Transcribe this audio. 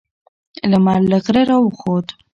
لمر له غره راوخوت.